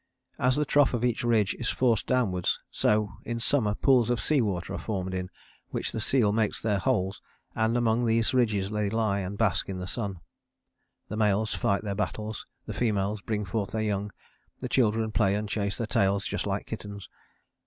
As the trough of each ridge is forced downwards, so in summer pools of sea water are formed in which the seal make their holes and among these ridges they lie and bask in the sun: the males fight their battles, the females bring forth their young: the children play and chase their tails just like kittens.